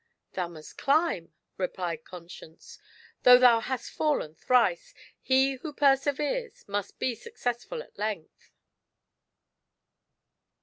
" Thou must climb," replied Conscience; " though thou hast fallen thrice, he who perseveres must be successful at length."